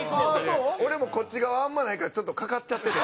俺もこっち側あんまりないからちょっとかかっちゃってて。